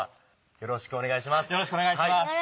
よろしくお願いします。